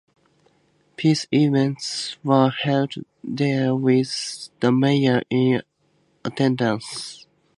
Peace events were held there with the mayor in attendance.